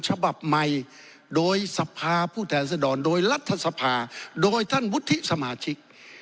ฉบับใหม่โดยสภาผู้แทนสดรโดยรัฐสภาโดยท่านวุฒิสมาชิก